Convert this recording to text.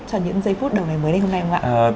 cho những giây phút đầu này mới lên hôm nay không ạ